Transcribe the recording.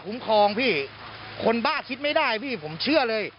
กระทั่งตำรวจก็มาด้วยนะคะ